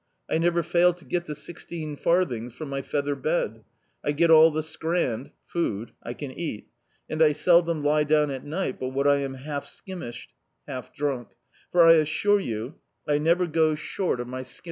I never fail to get the sixteen farthings for my feather (bed), I get all the scrand (food) I can eat; and I seldom lie down at night but what I am half skimished (half drunk), for I assure you I never go short of my IHS] D,i.